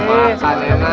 makan anget ya